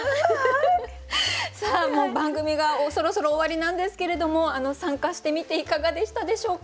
さあもう番組がそろそろ終わりなんですけれども参加してみていかがでしたでしょうか？